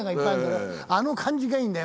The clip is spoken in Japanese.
あの感じがいいんだよ